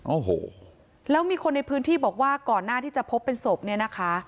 โอ้โหแล้วมีคนในพื้นที่บอกว่าก่อนหน้าที่จะพบเป็นศพเนี่ยนะคะ